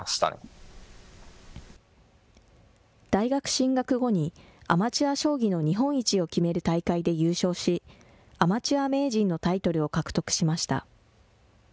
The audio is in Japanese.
大学進学後に、アマチュア将棋の日本一を決める大会で優勝し、アマチュア名人のタイトルを獲得しました。